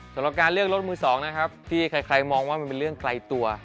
สำหรับการเลือกรถมือ๒นะครับที่ใครมองว่ามันเป็นเรื่องไกลตัว